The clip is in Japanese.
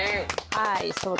はい。